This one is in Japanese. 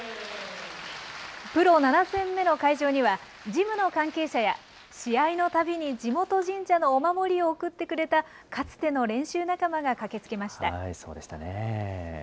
プロ７戦目の会場には、ジムの関係者や、試合のたびに地元神社のお守りを贈ってくれた、かつての練習仲間が駆けつけました。